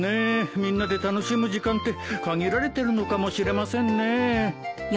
みんなで楽しむ時間って限られてるのかもしれませんね。